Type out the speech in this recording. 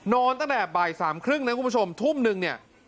นอนตั้งแต่บ่ายสามครึ่งนะครับคุณผู้ชมทุ่มหนึ่ง